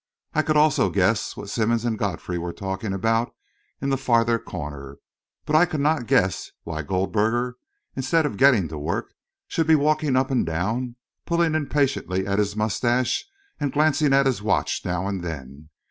I could also guess what Simmonds and Godfrey were talking about in the farther corner; but I could not guess why Goldberger, instead of getting to work, should be walking up and down, pulling impatiently at his moustache and glancing at his watch now and then.